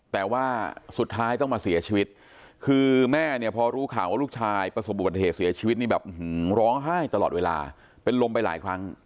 แต่ว่าสุดท้ายต้องมาเสียชีวิตคือแม่เนี่ยพอรู้ข่าวว่าลูกชายประสบอุบัติเหตุเสียชีวิตนี่แบบร้องไห้ตลอดเวลาเป็นลมไปหลายครั้ง